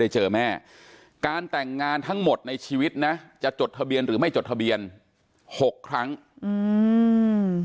จดทะเบียนหรือไม่จดทะเบียนหกครั้งอืม